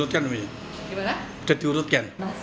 ibu bernama irina itu sudah diurutkan